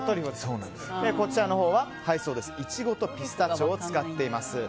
こちらのほうはイチゴとピスタチオを使っています。